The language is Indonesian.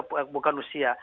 kalau yang di rtpw bukan usia